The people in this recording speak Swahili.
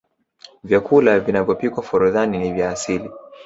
vyakula vinavyopikwa forodhani ni vya asili